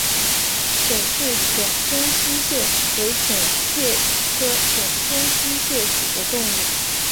沈氏浅胸溪蟹为溪蟹科浅胸溪蟹属的动物。